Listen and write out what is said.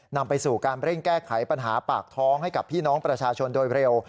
นำไปสู่การเร่งแก้ไขปัญหาปากท้องให้กับพี่น้องประชาชนโดยเร็ว